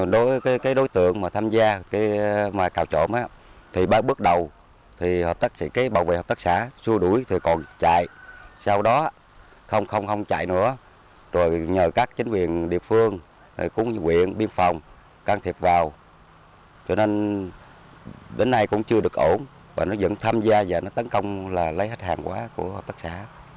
đối với đối tượng tham gia ngoài cao trộm thì ba bước đầu thì bảo vệ hợp tác xã